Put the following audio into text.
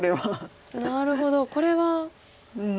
なるほどこれは。